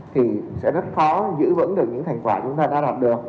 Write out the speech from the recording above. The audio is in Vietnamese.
thì sẽ rất khó giữ vững được những thành quả chúng ta đã đạt được